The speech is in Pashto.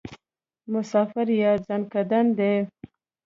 مسافر یار ځانکدن دی.